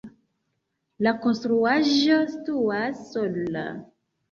La konstruaĵo situas sola.